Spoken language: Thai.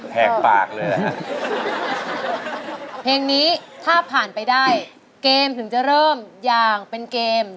หากปากเลยฮะเพลงนี้ถ้าผ่านไปได้เกมถึงจะเริ่มอย่างเป็นเกม